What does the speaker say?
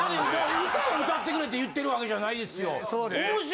歌歌ってくれって言ってる訳じゃないですよ。